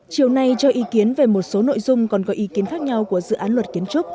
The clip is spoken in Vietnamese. chiều nay cho ý kiến về một số nội dung còn có ý kiến khác nhau của dự án luật kiến trúc